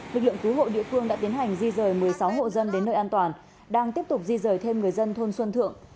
lực lượng cứu hộ địa phương đã tiến hành di rời một mươi sáu hộ dân đến nơi an toàn đang tiếp tục di rời thêm người dân thôn xuân thượng